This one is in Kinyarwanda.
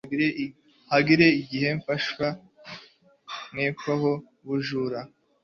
hari n igihe nafashwe nkekwaho ubujura